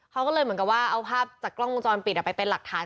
เขาก็เลยเหมือนกับว่าเอาภาพจากกล้องวงจรปิดไปเป็นหลักฐาน